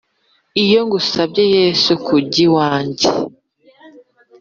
Iyo ngusabye Yesu kujy' iwanjye,